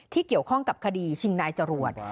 เกี่ยวข้องกับคดีชิงนายจรวด